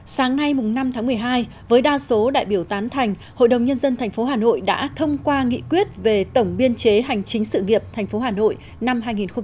sáng nay năm tháng một mươi hai với đa số đại biểu tán thành hội đồng nhân dân tp hà nội đã thông qua nghị quyết về tổng biên chế hành chính sự nghiệp tp hà nội năm hai nghìn một mươi chín